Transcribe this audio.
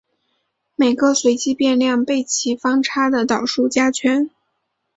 每个随机变量被其方差的倒数加权。